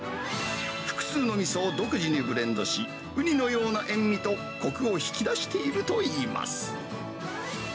複数のみそを独自にブレンドし、ウニのような塩味と、こくを引き出しているといいます。